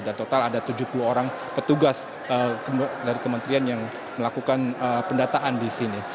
dan total ada tujuh puluh orang petugas dari kementerian yang melakukan pendataan di sini